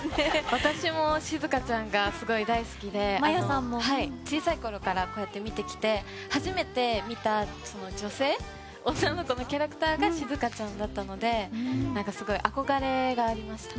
私もしずかちゃんがすごい大好きで小さいころから見てきて初めて見た女性女の子のキャラクターがしずかちゃんだったのですごい憧れがありました。